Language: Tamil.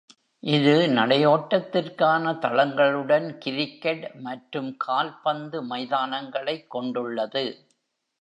இது நடையோட்டத்திற்கான தளங்களுடன் கிரிக்கெட் மற்றும் கால்பந்து மைதானங்களைக் கொண்டுள்ளது.